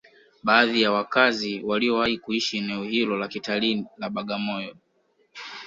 Baadhi ya wakazi waliowahi kuishi eneo hilo la kitalii la Bagamoyo